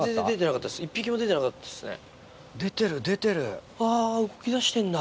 １匹も出てなかったですね。